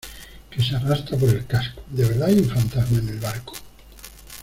que se arrastra por el casco. ¿ de verdad hay un fantasma en el barco?